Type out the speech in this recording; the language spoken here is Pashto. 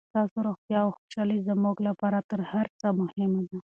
ستاسو روغتیا او خوشحالي زموږ لپاره تر هر څه مهمه ده.